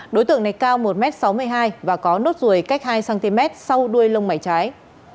đối tượng này cao một m sáu mươi hai và có nốt ruồi cách hai cm sau đuôi lông mảy trái